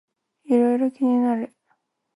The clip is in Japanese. いろいろ気になる